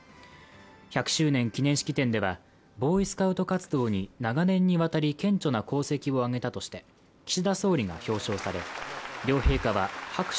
１００周年記念式典ではボーイスカウト活動に長年にわたり顕著な功績を挙げたとしていよいよ厳しい冬本番。